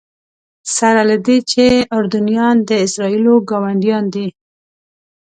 سره له دې چې اردنیان د اسرائیلو ګاونډیان دي.